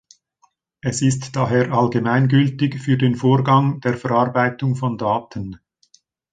Es ist daher allgemeingültig für den Vorgang der Verarbeitung von Daten.